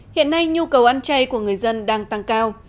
hiện nay nhu cầu ăn chay của người dân đang tăng cao